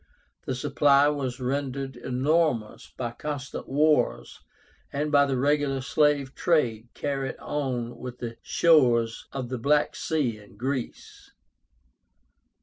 The supply was rendered enormous by constant wars, and by the regular slave trade carried on with the shores of the Black Sea and Greece.